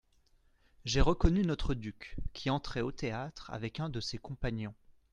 J'ai reconnu notre duc qui entrait au théâtre avec un de ses compagnons.